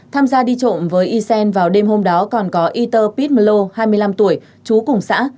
tham gia đi trộm với ysen vào đêm hôm đó còn có yter pit melo hai mươi năm tuổi trú cùng xã